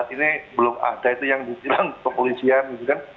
ini belum ada itu yang dibilang kepolisian gitu kan